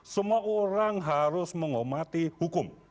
semua orang harus menghormati hukum